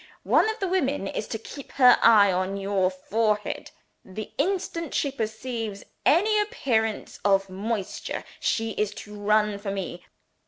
One of the women is to keep her eye on your forehead. The instant she perceives an appearance of moisture, she is to run for me.